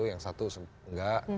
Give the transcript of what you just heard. yang satu enggak